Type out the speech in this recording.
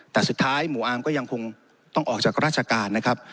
แต่สุดท้ายหมู่อาร์มก็ยังคงต้องออกจากราชการนะครับ